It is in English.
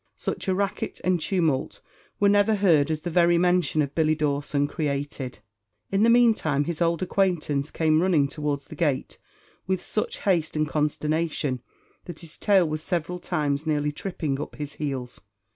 Such a racket and tumult were never heard as the very mention of Billy Dawson created. In the meantime, his old acquaintance came running towards the gate with such haste and consternation, that his tail was several times nearly tripping up his heels.